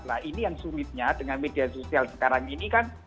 nah ini yang sulitnya dengan media sosial sekarang ini kan